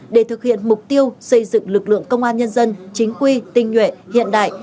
để thực hiện mục tiêu xây dựng lực lượng công an nhân dân chính quy tinh nhuệ hiện đại